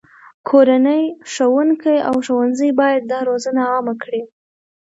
کورنۍ، ښوونکي، او ښوونځي باید دا روزنه عامه کړي.